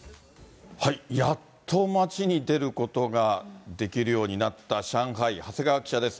やっと街に出ることができるようになった上海、長谷川記者です。